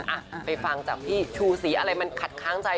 อ่ะไปฟังจากพี่ชูสีอะไรมันขัดค้างใจ